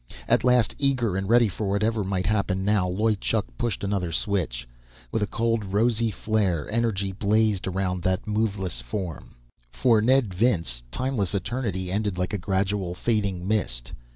At last, eager and ready for whatever might happen now, Loy Chuk pushed another switch. With a cold, rosy flare, energy blazed around that moveless form. For Ned Vince, timeless eternity ended like a gradual fading mist.